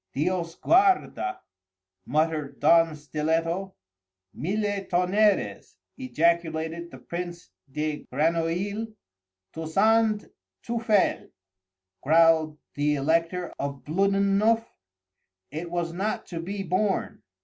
"Dios guarda!" muttered Don Stiletto. "Mille tonnerres!" ejaculated the Prince de Grenouille. "Tousand teufel!" growled the Elector of Bluddennuff. It was not to be borne.